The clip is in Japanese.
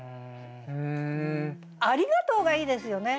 「ありがとう」がいいですよね。